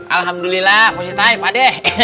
alhamdulillah musik time padeh